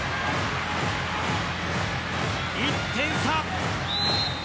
１点差。